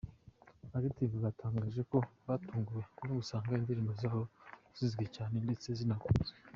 Active batangaje ko batunguwe no gusanga indirimbo zabo zizwi cyane ndetse zinakunzwe.